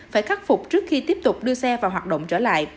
phải khắc phục trước khi tiếp tục đưa xe vào hoạt động trở lại